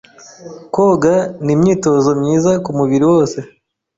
Koga ni imyitozo myiza kumubiri wose.